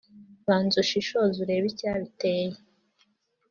banza ushishoze urebe icyabiteye